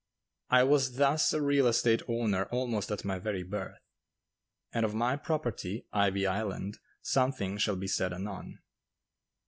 I was thus a real estate owner almost at my very birth; and of my property, "Ivy Island," something shall be said anon.